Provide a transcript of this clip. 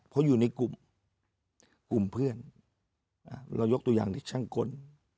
เพราะอยู่ในกลุ่มเพื่อนเรายกตัวอย่างเด็กช่างกล